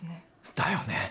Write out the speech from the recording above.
だよね。